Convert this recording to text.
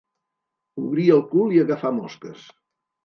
Obrir el cul i agafar mosques.